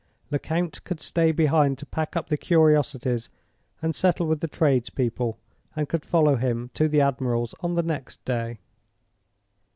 Lecount could stay behind to pack up the curiosities and settle with the trades people, and could follow him to the admiral's on the next day.